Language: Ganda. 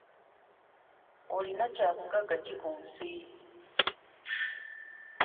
Olina kya bugagga ki ku nsi?